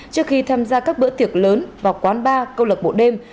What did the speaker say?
trước khi tham gia các bữa tiệc lớn vào quán bar câu lực bộ đêm